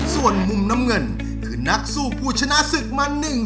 ส่วนมุมน้ำเงินคือนักสู้ผู้ชนะศึกมาหนึ่ง